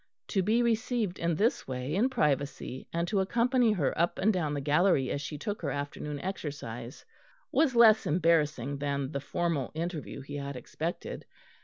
To be received in this way, in privacy, and to accompany her up and down the gallery as she took her afternoon exercise was less embarrassing than the formal interview he had expected.